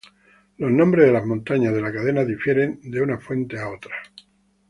Los nombres de las montañas de la cadena difieren de unas fuentes a otras.